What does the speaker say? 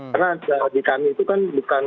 karena di kami itu kan